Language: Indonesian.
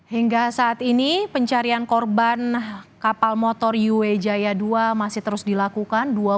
hingga saat ini pencarian korban kapal motor yuwe jaya dua masih terus dilakukan